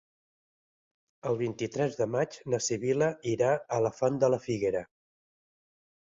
El vint-i-tres de maig na Sibil·la irà a la Font de la Figuera.